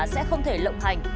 sẽ không thể lộng hành